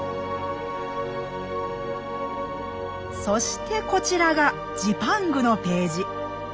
そしてこちらがジパングのページ。